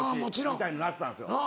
みたいになってたんですよ。